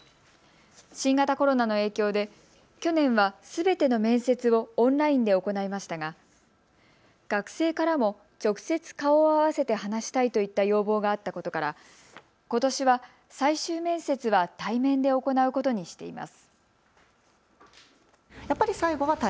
新型コロナの影響で去年はすべての面接をオンラインで行いましたが学生からも直接顔を合わせて話したいといった要望があったことからことしは最終面接は対面で行うことにしています。